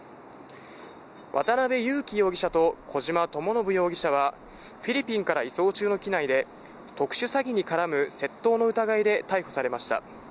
渡辺優樹容疑者と小島智信容疑者はフィリピンから移送中の機内で特殊詐欺に絡む窃盗の疑いで逮捕されました。